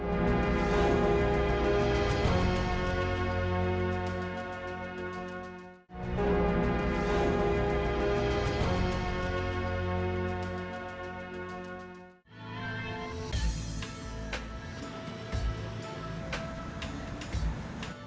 tapi kalau tidak saya akan mencoba